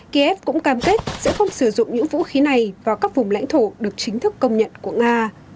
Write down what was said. kiev cũng cam kết sẽ không sử dụng những vũ khí này vào các vùng lãnh thổ được chính thức công nhận của nga